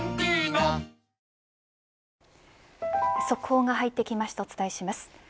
速報が入ってきましたお伝えします。